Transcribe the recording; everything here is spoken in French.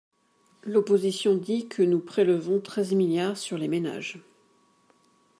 L’opposition dit que nous prélevons treize milliards sur les ménages.